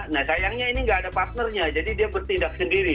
nah sayangnya ini nggak ada partnernya jadi dia bertindak sendiri